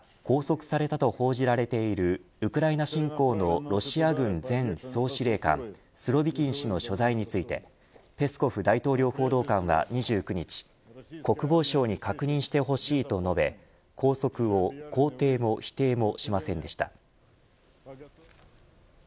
こうした中拘束されたと報じられているウクライナ侵攻のロシア軍の前総司令官スロビキン氏の所在についてペスコフ大統領報道官は２９日国防省に確認してほしい、と述べ拘束を肯定も否定もしませんでした。